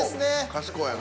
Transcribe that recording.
賢やな。